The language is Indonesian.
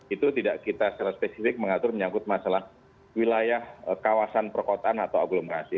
itu tidak kita secara spesifik mengatur menyangkut masalah wilayah kawasan perkotaan atau aglomerasi